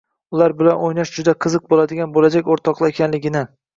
ular bilan o‘ynash juda qiziq bo‘ladigan bo‘lajak o‘rtoqlar ekanligini